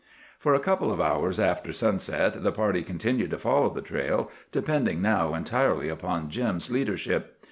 For a couple of hours after sunset the party continued to follow the trail, depending now entirely upon Jim's leadership.